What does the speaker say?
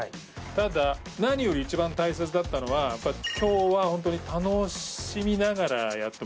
ただ何より一番大切だったのは今日はホントに楽しみながらやってもらいたいなと。